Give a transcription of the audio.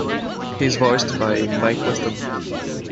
He is voiced by Mike Weston.